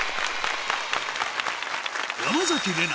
山崎怜奈